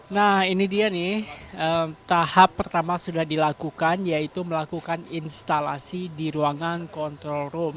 nah ini dia nih tahap pertama sudah dilakukan yaitu melakukan instalasi di ruangan control room